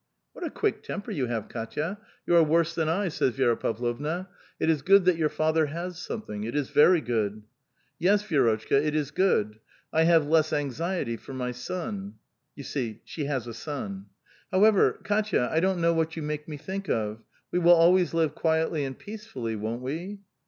What a quick temper you have, K&tya. You are woree than I," says Vi^ra Pavlovna. "It is good that 3 our father has something ; it is very good." yes, Vi6ix>tchka; it is good. I have less anxiety for my son." (You see, she has a son.) " However, Kdtya, I don't know what you make me think of. We will always live quietly and peacefully, won't we?"